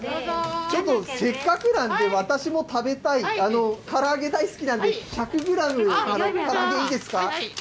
ちょっと、せっかくなんで、私も食べたい、から揚げ大好きなんで、１００グラムから揚げいいですか？